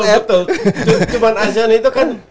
cuma asean itu kan